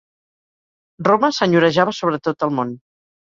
Roma senyorejava sobre tot el món.